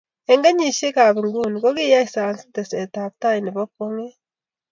Eng' kenyisiekab nguni ko kiyai sayansi tesetab tai nebo bokwong'e